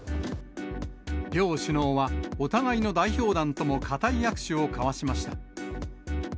両首脳はお互いの代表団とも固い握手を交わしました。